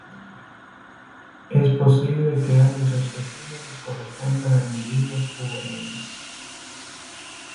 Es posible que ambos especímenes correspondan a individuos juveniles.